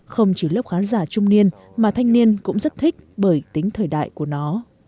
không chỉ lớp khán giả trung niên mà thanh niên cũng rất thích bởi tính thời đại của nó